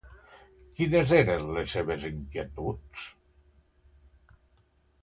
Quines eren les seves inquietuds?